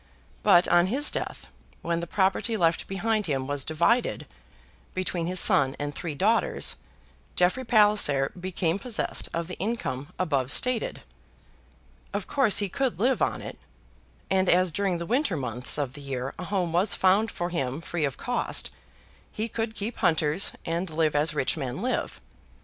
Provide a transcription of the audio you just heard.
But on his death, when the property left behind him was divided between his son and three daughters, Jeffrey Palliser became possessed of the income above stated. Of course he could live on it, and as during the winter months of the year a home was found for him free of cost, he could keep hunters, and live as rich men live.